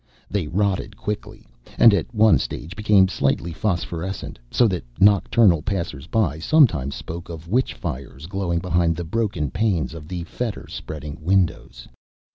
They rotted quickly, and at one stage became slightly phosphorescent; so that nocturnal passers by sometimes spoke of witch fires glowing behind the broken panes of the fetor spreading windows.